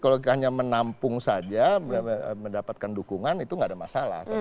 kalau hanya menampung saja mendapatkan dukungan itu nggak ada masalah